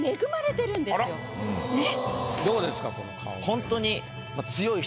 ホントに。